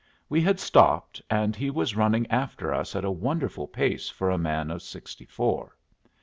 We had stopped, and he was running after us at a wonderful pace for a man of sixty four.